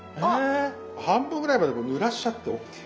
半分ぐらいまでぬらしちゃってＯＫ。